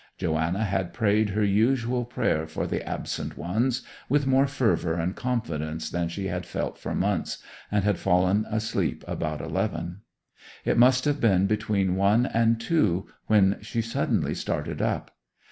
Joanna had prayed her usual prayer for the absent ones with more fervour and confidence than she had felt for months, and had fallen asleep about eleven. It must have been between one and two when she suddenly started up.